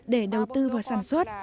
để đầu tư vào sản xuất